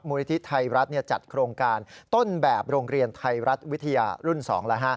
นิธิไทยรัฐจัดโครงการต้นแบบโรงเรียนไทยรัฐวิทยารุ่น๒